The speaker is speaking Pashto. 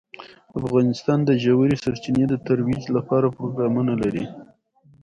افغانستان د ژورې سرچینې د ترویج لپاره پروګرامونه لري.